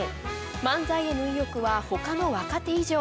漫才への意欲は他の若手以上。